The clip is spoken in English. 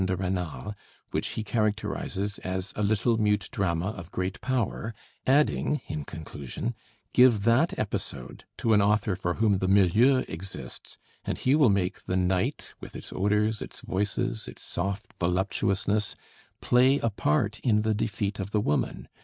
de Rênal, which he characterizes as "a little mute drama of great power," adding in conclusion: "Give that episode to an author for whom the milieu exists, and he will make the night, with its odors, its voices, its soft voluptuousness, play a part in the defeat of the woman.